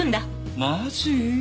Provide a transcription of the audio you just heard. マジ？